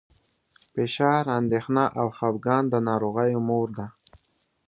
فشار، اندېښنه او خپګان د ناروغیو مور ده.